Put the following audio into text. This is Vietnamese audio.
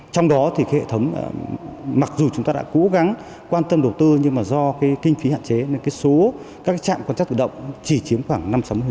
trong đó mặc dù chúng ta đã cố gắng quan tâm đầu tư nhưng do kinh phí hạn chế nên số các trạm quan trắc tự động chỉ chiếm khoảng năm sáu mươi